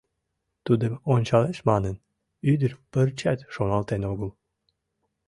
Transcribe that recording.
Тудым ончалеш манын, ӱдыр пырчат шоналтен огыл.